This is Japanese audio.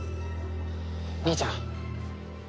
兄ちゃん。